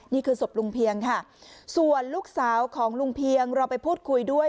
นี่คือศพลุงเพียงค่ะส่วนลูกสาวของลุงเพียงเราไปพูดคุยด้วย